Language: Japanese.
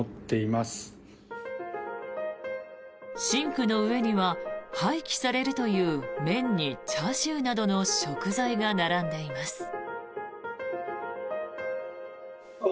シンクの上には廃棄されるという麺にチャーシューなどの食材が並んでいます。